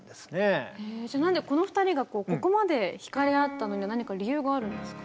この２人がここまで惹かれ合ったのには何か理由があるんですか？